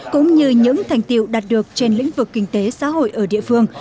cũng như những thành tiệu đạt được trên lĩnh vực kinh tế xã hội ở địa phương